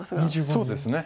そうですね。